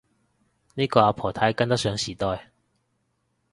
呢個阿婆太跟得上時代